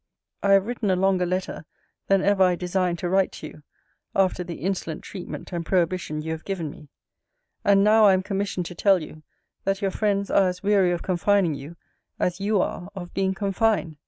I have written a longer letter than ever I designed to write to you, after the insolent treatment and prohibition you have given me: and, now I am commissioned to tell you, that your friends are as weary of confining you, as you are of being confined.